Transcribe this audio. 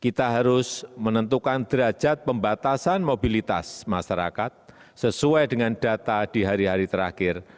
kita harus menentukan derajat pembatasan mobilitas masyarakat sesuai dengan data di hari hari terakhir